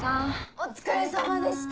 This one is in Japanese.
お疲れさまでした！